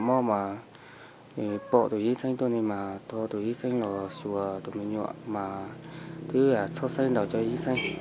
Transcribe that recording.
ở vùng cao nguyên đai